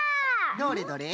どれどれ？